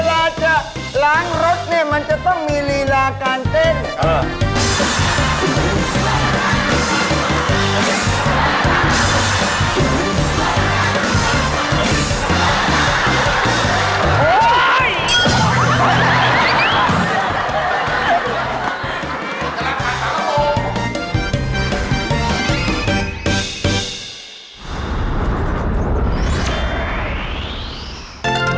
พี่จะซื้อแชมพูไปล้างรถพิตตี้เวลาจะล้างรถเนี้ย